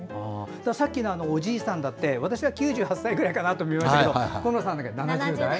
さっきのおじいさんだって私は９８歳くらいかなと思ったけど小村さんは７０代だと。